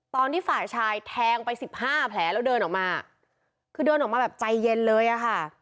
ตอนที่ฝ่ายชายแทงไปสิบห้าแผลแล้วเดินออกมาคือเดินออกมาแบบใจเย็นเลยอะค่ะ